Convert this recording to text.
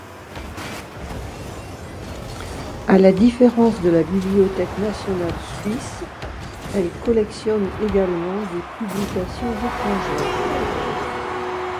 À la différence de la Bibliothèque nationale suisse, elle collectionne également des publications étrangères.